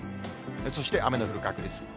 そして雨の降る確率。